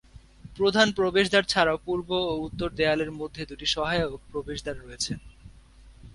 প্রধান প্রবেশদ্বার ছাড়াও পূর্ব ও উত্তর দেয়ালের মধ্যে দুটি সহায়ক প্রবেশদ্বার রয়েছে।